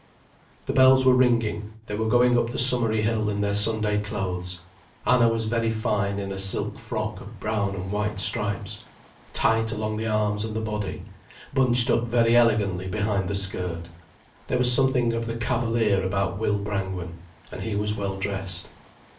The bells were ringing, they were going up the summery hill in their Sunday clothes. Anna was very fine in a silk frock of brown and white stripes, tight along the arms and the body, bunched up very elegantly behind the skirt. There was something of the cavalier about Will Brangwen, and he was well dressed.